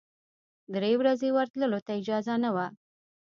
درې ورځې ورتللو ته اجازه نه وه.